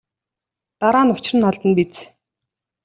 Дараа нь учир нь олдоно биз.